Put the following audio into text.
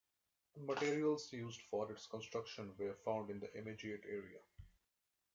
Materials used for its construction were found in the immediate area.